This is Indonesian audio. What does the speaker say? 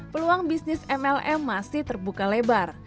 peluang bisnis mlm masih terbuka lebar